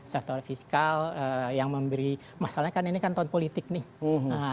sektor fiskal yang memberi masalah kan ini kan tahun politik nih